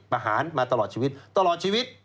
ประหารมาตลอดชีวิตตลอดชีวิต